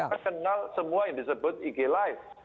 orang kenal semua yang disebut ig live